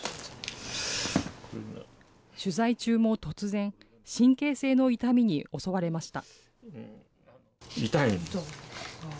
取材中も突然、神経性の痛みに襲われました。